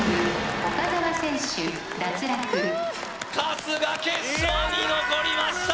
くっ春日決勝に残りました！